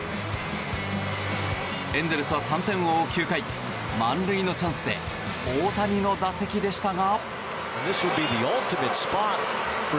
エンゼルスは３点を追う９回満塁のチャンスで大谷の打席でしたが。